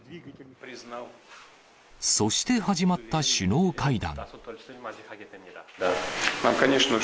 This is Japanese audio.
そして始まった首脳会談。